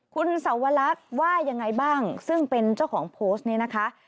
คุณสวรรคว่ายังไงบ้างซึ่งเป็นเจ้าของโพสต์นี้นะคะ